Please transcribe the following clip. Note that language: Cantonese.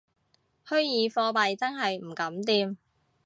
虛擬貨幣真係唔敢掂